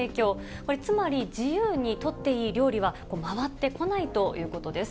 これ、つまり、自由に取っていい料理は回ってこないということです。